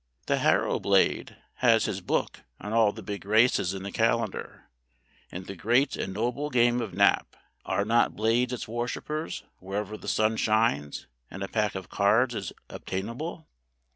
The Harrow Blade has his book on all the big races in the calendar; and the great and noble game of Nap are not Blades its worshippers wherever the sun shines and a pack of cards is obtainable?